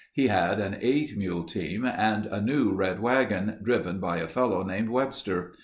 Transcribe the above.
He had an eight mule team and a new red wagon, driven by a fellow named Webster.